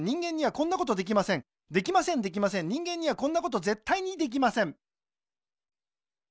できませんできません人間にはこんなことぜったいにできません